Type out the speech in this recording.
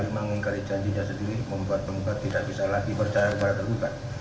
mengingkari janjinya sendiri membuat penggugat tidak bisa lagi percaya kepada tergugat